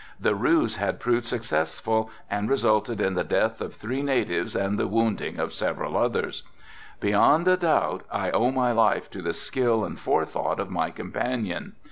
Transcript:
The ruse had proved successful and resulted in the death of three natives and the wounding of several others. Beyond a doubt I owe my life to the skill and forethought of my companion.